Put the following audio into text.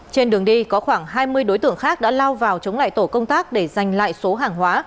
trên đường đi có khoảng hai mươi đối tượng khác đã lao vào chống lại tổ công tác để giành lại số hàng hóa